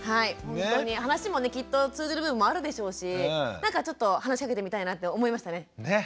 ほんとに話もねきっと通じる部分もあるでしょうしなんかちょっと話しかけてみたいなって思いましたね。